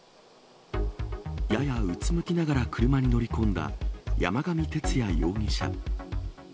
ややうつむきながら車に乗り込んだ、山上徹也容疑者。